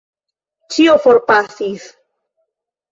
Ĉio forpasis.